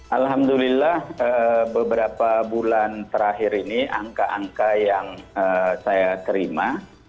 alhamdulillah beberapa bulan terakhir ini angka angka yang saya terima